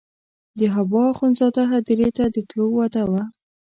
د حبوا اخندزاده هدیرې ته د تلو وعده وه.